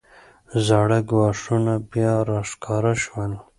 زاړه ګواښونه بیا راښکاره شول.